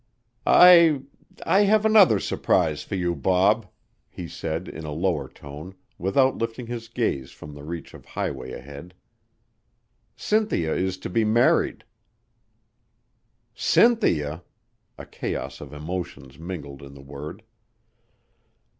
"I I have another surprise for you, Bob," he said in a lower tone, without lifting his gaze from the reach of highway ahead. "Cynthia is to be married." "Cynthia!" A chaos of emotions mingled in the word.